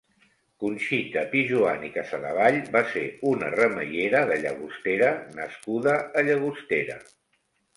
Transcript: Conxita Pijuan i Casadevall va ser una remeiera de Llagostera nascuda a Llagostera.